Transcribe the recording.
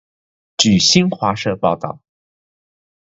据新华社报道